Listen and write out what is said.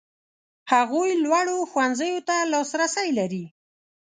هغوی لوړو ښوونځیو ته لاسرسی لري.